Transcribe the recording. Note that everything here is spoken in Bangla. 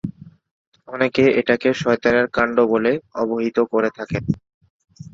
অনেকে এটাকে শয়তানের কাণ্ড বলে অবিহিত করে থাকেন।